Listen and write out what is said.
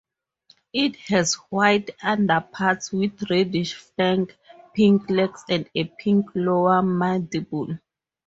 It has white underparts with reddish flank, pink legs and a pink lower mandible.